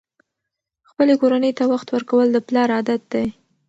خپلې کورنۍ ته وخت ورکول د پلار عادت دی.